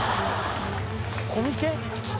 コミケ？